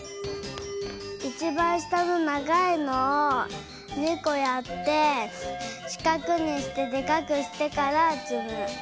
いちばんしたのながいのを２こやってしかくにしてでかくしてからつむ。